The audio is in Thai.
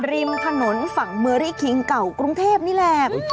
ริมถนนฝั่งเมอรี่คิงเก่ากรุงเทพนี่แหละ